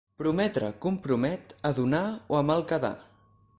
Prometre compromet a donar o a mal quedar.